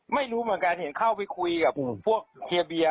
ไม่รู้เหมือนกันเห็นเข้าไปคุยกับพวกเฮียเบียร์